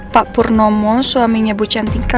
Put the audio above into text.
pak purnomo suaminya bu cantika